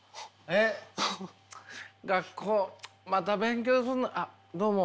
学校また勉強すんのあどうも。